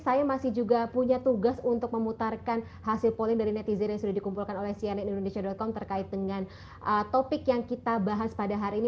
saya masih juga punya tugas untuk memutarkan hasil polling dari netizen yang sudah dikumpulkan oleh cnnindonesia com terkait dengan topik yang kita bahas pada hari ini